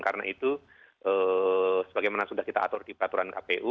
karena itu sebagaimana sudah kita atur di peraturan kpu